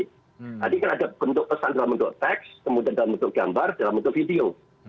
tadi kan ada bentuk pesan dalam bentuk teks kemudian dalam bentuk gambar dalam bentuk video